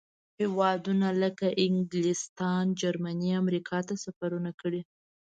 هېوادونو لکه انګلستان، جرمني، امریکا ته سفرونه کړي.